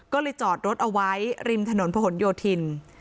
ก็เลยจอดรถเอาไว้ริมถนนผนโยธิน